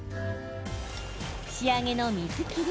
仕上げの水切り。